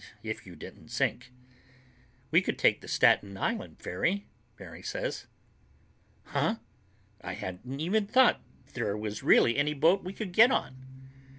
If you didn't sink." "We could take the Staten Island ferry," Mary says. "Huh?" I hadn't even thought there was really any boat we could get on.